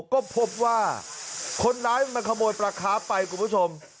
ก็พบว่าคนร้ายมาขโมยปลาครับไปกลุ่มผู้ชม